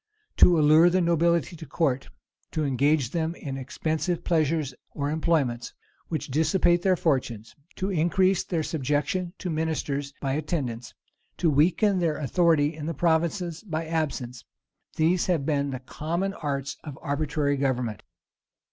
To allure the nobility to court; to engage them in expensive pleasures or employments which dissipate their fortune; to increase their subjection to ministers by attendance; to weaken their authority in the provinces by absence: these have been the common arts of arbitrary government.